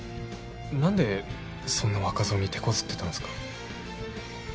何でそんな若造にてこずってたんすか？